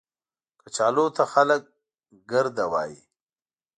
کچالو ته خلک ګرده وايي